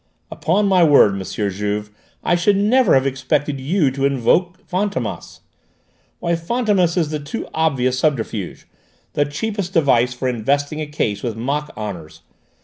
"Upon my word, M. Juve, I should never have expected you to invoke Fantômas! Why, Fantômas is the too obvious subterfuge, the cheapest device for investing a case with mock honours.